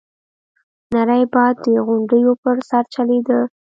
نری باد د غونډيو په سر چلېده.